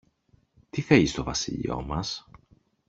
Τι θέλει στο βασίλειο μας;